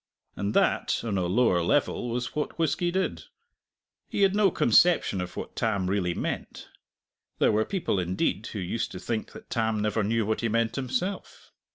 And that, on a lower level, was what whisky did. He had no conception of what Tam really meant; there were people, indeed, who used to think that Tam never knew what he meant himself.